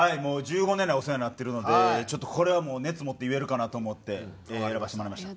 １５年来お世話になってるのでちょっとこれはもう熱持って言えるかなと思って選ばせてもらいました。